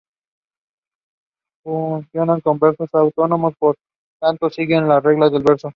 Funcionan como versos autónomos, por tanto, siguen las reglas del verso.